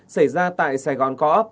xảy ra tại sài gòn